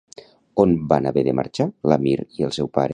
On van haver de marxar l'Amir i el seu pare?